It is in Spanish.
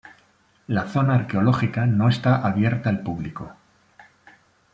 La zona arqueológica no está abierta al público.